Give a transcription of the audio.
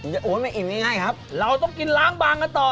อย่าอ้วนไม่อิ่มง่ายง่ายครับเราต้องกินล้างบางกันต่อ